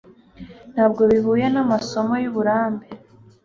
Ntabwo bihuye namasomo yuburambe